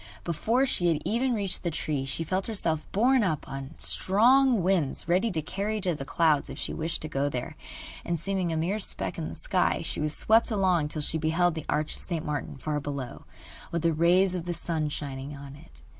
Before she had even reached the tree she felt herself borne up on strong wings ready to carry her to the clouds if she wished to go there, and seeming a mere speck in the sky, she was swept along till she beheld the Arch of St. Martin far below, with the rays of the sun shining on it.